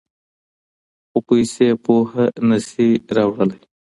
خو پیسې پوهه نه شي راوړلی.